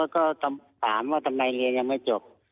ก็ถามว่าทำไมเรียนยังไม่จบ